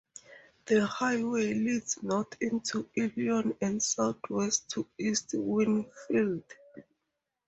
The highway leads north into Ilion and southwest to East Winfield.